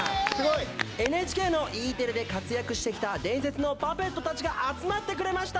ＮＨＫのＥテレで活躍してきた伝説のパペットたちが集まってくれました。